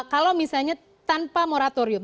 kalau misalnya tanpa moratorium